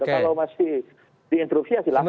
kalau masih di interupsi ya silahkan